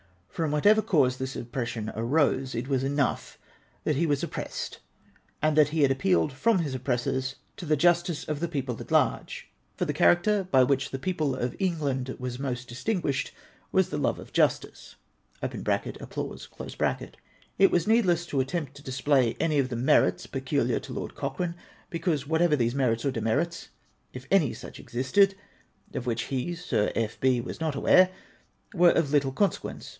From whatever cause this oppression arose, it was enough tliat he was op pressed, and that he had appealed from his oppressors to the justice of the people at large ■—■ for the character by which the people of England was most distinguished was the love of justice {applause). It was needless to attempt to display any of the merits peculiar to Lord Cochrane, because \vhatever these merits or demerits, if any such existed (of which he, Sir F. B. was not aware), were of little consequence.